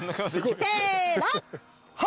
せの！